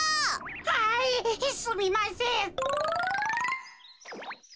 はいすみません。